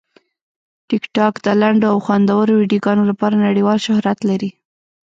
ټیکټاک د لنډو او خوندورو ویډیوګانو لپاره نړیوال شهرت لري.